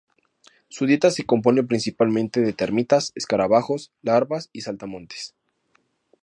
Su dieta se compone principalmente de termitas, escarabajos, larvas y saltamontes.